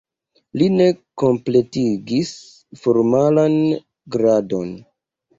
Li ne kompletigis formalan gradon.